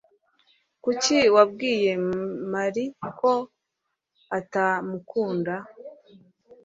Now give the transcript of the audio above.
Kuki wabwiye Mary ko atamukunda?